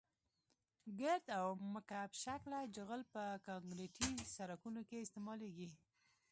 ګرد او مکعب شکله جغل په کانکریټي سرکونو کې استعمالیږي